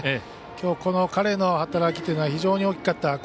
きょう、この彼の働きというのが非常に大きかった。